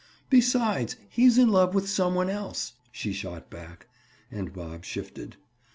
"Besides, he's in love with some one else," she shot back, and Bob shifted.